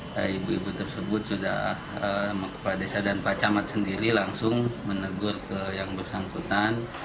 dan ibu ibu tersebut sudah kepala desa dan pak camat sendiri langsung menegur ke yang bersangkutan